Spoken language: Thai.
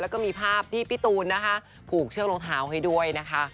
แล้วก็มีภาพที่พี่ตูนนะคะผูกเชือกรองเท้าให้ด้วยนะคะ